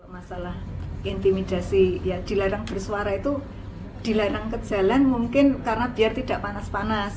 masalah intimidasi ya dilarang bersuara itu dilarang ke jalan mungkin karena biar tidak panas panas